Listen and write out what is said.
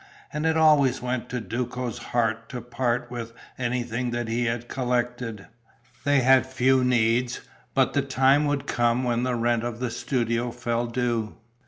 And it always went to Duco's heart to part with anything that he had collected. They had few needs, but the time would come when the rent of the studio fell due.